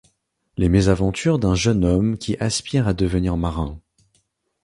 Les mésaventures d'un jeune homme qui aspire à devenir marin.